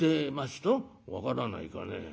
「分からないかね。